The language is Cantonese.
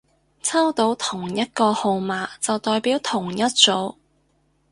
抽到同一個號碼就代表同一組